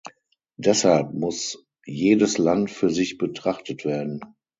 Deshalb muss jedes Land für sich betrachtet werden.